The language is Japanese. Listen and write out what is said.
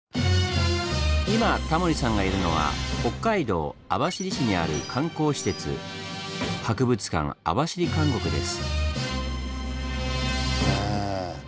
今タモリさんがいるのは北海道網走市にある観光施設「博物館網走監獄」です。